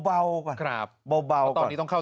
สมัยไม่เรียกหวังผม